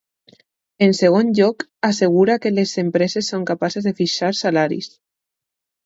En segon lloc, assegura que les empreses són capaces de fixar salaris.